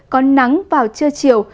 có nắng vào trưa chiều